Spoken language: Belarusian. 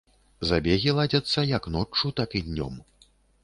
Забегі ладзяцца як ноччу, так і днём.